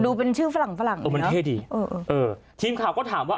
เป็นชื่อฝรั่งฝรั่งเออมันเท่ดีเออเออทีมข่าวก็ถามว่า